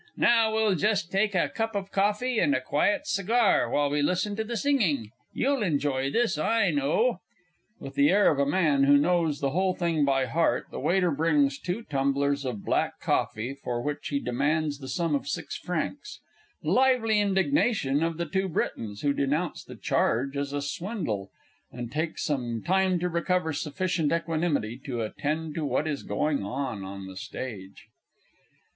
Now, we'll just take a cup of coffee, and a quiet cigar, while we listen to the singing you'll enjoy this, I know! [_With the air of a man who knows the whole thing by heart; the Waiter brings two tumblers of black coffee, for which he demands the sum of six francs; lively indignation of the_ TWO BRITONS, _who denounce the charge as a swindle, and take some time to recover sufficient equanimity to attend to what is going on on the Stage_.